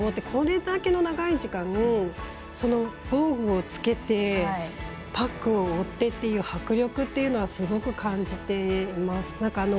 これだけの長い時間その防具を着けてパックを追ってっていう迫力っていうのはすごく感じています。